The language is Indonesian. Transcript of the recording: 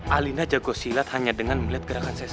alina jago silat hanya dengan melihat gerakan saya saja